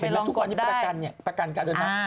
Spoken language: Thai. เห็นแล้วทุกคนที่ประกันเนี่ยประกันการเดินทาง